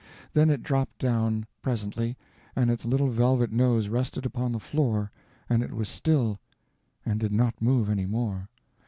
Then it dropped down, presently, and its little velvet nose rested upon the floor, and it was still, and did not move any more.